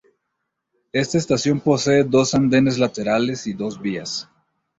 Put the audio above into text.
Esta estación posee dos andenes laterales y dos vías.